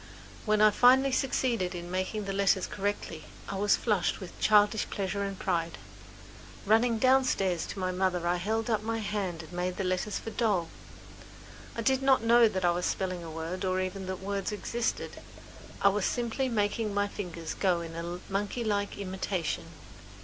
When I finally succeeded in making the letters correctly I was flushed with childish pleasure and pride. Running downstairs to my mother I held up my hand and made the letters for doll. I did not know that I was spelling a word or even that words existed; I was simply making my fingers go in monkey like imitation.